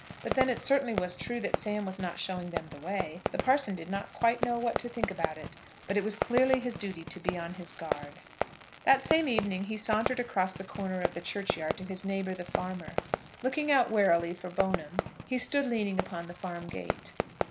But then it certainly was true that Sam was not showing them the way. The parson did not quite know what to think about it, but it was clearly his duty to be on his guard. That same evening he sauntered across the corner of the churchyard to his neighbour the farmer. Looking out warily for Bone'm, he stood leaning upon the farm gate.